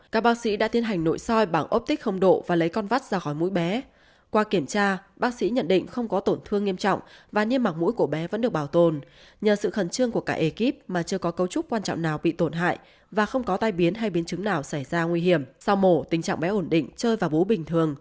các bác sĩ đã tiến hành nội soi bảng ốp tích không độ và lấy con vắt ra khỏi mũi bé qua kiểm tra bác sĩ nhận định không có tổn thương nghiêm trọng và niêm mạc mũi của bé vẫn được bảo tồn nhờ sự khẩn trương của cả ekip mà chưa có cấu trúc quan trọng nào bị tổn hại và không có tai biến hay biến chứng nào xảy ra nguy hiểm sau mổ tình trạng bé ổn định chơi vào bố bình thường